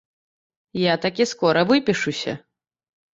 Я такі скора выпішуся.